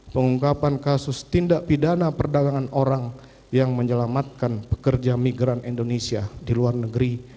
pengungkapan kasus tindak pidana perdagangan orang yang menyelamatkan pekerja migran indonesia di luar negeri